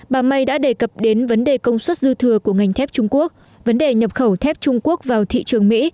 bà may đã đề cập đến vấn đề công suất dư thừa của ngành thép trung quốc vấn đề nhập khẩu thép trung quốc vào thị trường mỹ